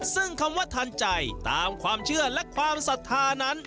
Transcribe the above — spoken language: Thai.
ซึ่งคำว่าทันใจตามความเชื่อและความศรัทธานั้น